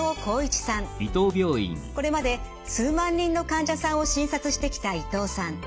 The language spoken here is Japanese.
これまで数万人の患者さんを診察してきた伊藤さん。